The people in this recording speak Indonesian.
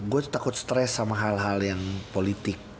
gue takut stres sama hal hal yang politik